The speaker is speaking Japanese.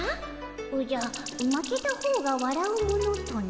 おじゃ負けた方がわらうものとな？